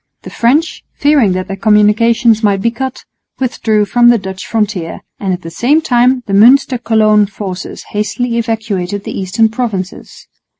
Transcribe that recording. The French, fearing that their communications might be cut, withdrew from the Dutch frontier; and at the same time the Münster Cologne forces hastily evacuated the eastern provinces.